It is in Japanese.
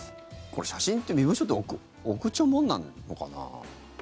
写真って、身分証って送っちゃうものなのかな？